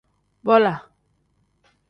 Bola.